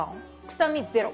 臭みゼロ。